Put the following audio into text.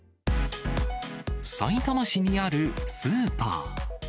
さいたま市にあるスーパー。